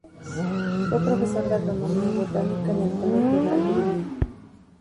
Fue profesor de Agronomía y Botánica en el Colegio Real de Udine.